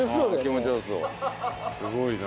すごいな。